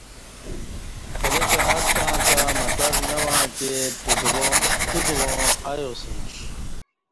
پلکہ اتں تہ مٹر نہ وعں تے پوت واں ایاسمیش